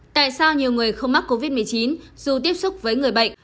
tại sao nhiều người không mắc covid một mươi chín dù tiếp xúc với người bệnh